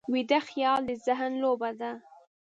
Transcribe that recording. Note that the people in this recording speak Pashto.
ویده خیال د ذهن لوبه ده